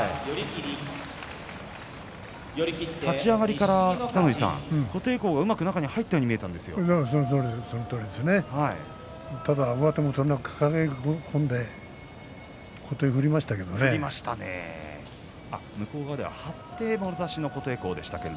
立ち合いから琴恵光がうまく中に入ったようにそのとおりですね。